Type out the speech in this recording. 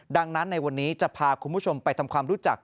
ดังนั้นในวันนี้จะพาคุณผู้ชมไปทำความรู้จัก